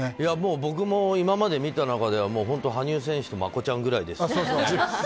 僕も今まで見た中で本当、羽生選手とマコちゃんくらいです。